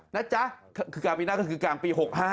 นะจ๊ะคือกลางปีหน้าก็คือกลางปี๖๕